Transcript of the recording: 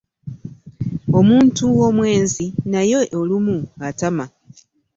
Omuntu omwenzi naye olumu atama.